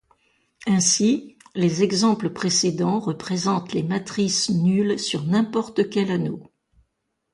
Ainsi les exemples précédents représentent les matrices nulles sur n'importe quel anneau.